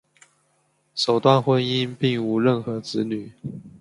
首段婚姻并无任何子女。